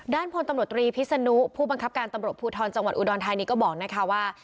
พลตำรวจตรีพิษนุผู้บังคับการตำรวจภูทรจังหวัดอุดรธานีก็บอกนะคะว่า